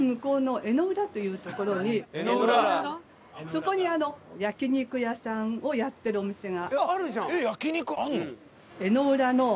そこに焼肉屋さんをやってるお店が。